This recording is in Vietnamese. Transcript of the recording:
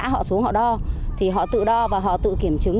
họ xuống họ đo thì họ tự đo và họ tự kiểm chứng